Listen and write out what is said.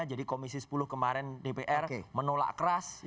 jadi komisi sepuluh kemarin dpr menolak keras